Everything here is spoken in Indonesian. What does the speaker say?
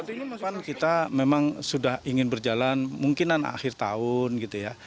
saat ini kita memang sudah ingin berjalan mungkinan akhir tahun gitu ya